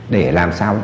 để làm sao